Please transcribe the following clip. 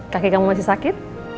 kakek kamu masih sakit